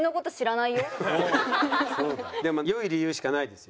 でも良い理由しかないですよ。